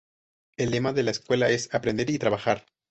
El lema de la escuela es "Aprender y Trabajar".